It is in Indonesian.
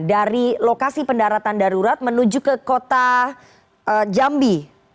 dari lokasi pendaratan darurat menuju ke kota jambi